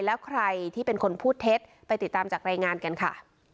แล้วใครที่เป็นคนพูดเท็จไปติดตามจากรายงานกันค่ะ